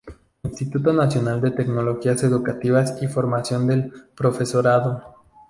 Instituto Nacional de Tecnologías Educativas y Formación del Profesorado